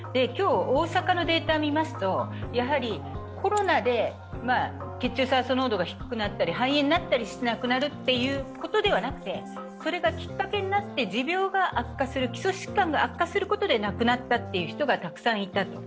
今日、大阪のデータを見ますとコロナで血中酸素濃度が低くなったり肺炎になったりしなくなるということではなくてそれがきっかけになって持病が悪化する基礎疾患が悪化することで亡くなった人がたくさんいた。